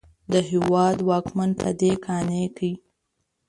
د هېواد واکمن په دې قانع کړي.